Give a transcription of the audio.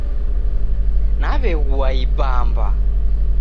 Naw'egua ibamba